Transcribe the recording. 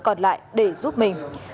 còn lại để giúp mình